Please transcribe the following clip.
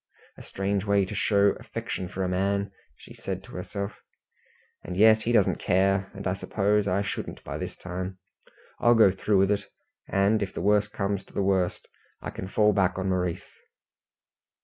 "A strange way to show affection for a man," she said to herself, "and yet he doesn't care, and I suppose I shouldn't by this time. I'll go through with it, and, if the worst comes to the worst, I can fall back on Maurice."